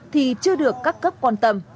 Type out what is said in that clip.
thì chưa được các cấp quan tâm